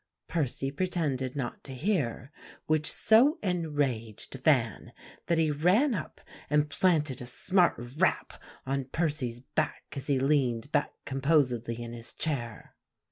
Percy pretended not to hear, which so enraged Van that he ran up and planted a smart rap on Percy's back as he leaned back composedly in his chair.